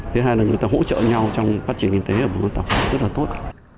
thứ hai là người ta hỗ trợ nhau trong phát triển kinh tế và vươn tạo động lực rất là tốt